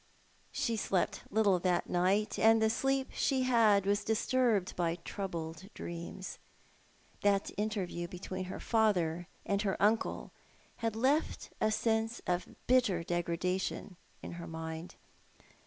She slept little that night, and the sleep she had was disturbed by troubled dreams. That interview between her father and her uncle had left a sense of bitter degradation in her miud.